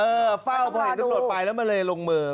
เออเฝ้าให้ตำรวจไปแล้วมันเลยลงเมอร์